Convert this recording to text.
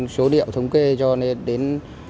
số điệu thống kê cho đến